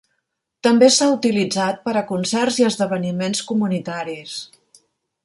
També s'ha utilitzat per a concerts i esdeveniments comunitaris.